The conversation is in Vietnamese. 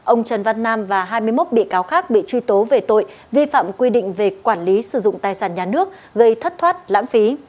ông trần văn nam và hai mươi một bị cáo khác bị truy tố về tội vi phạm quy định về quản lý sử dụng tài sản nhà nước gây thất thoát lãng phí